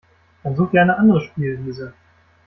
Dann such dir eine andere Spielwiese.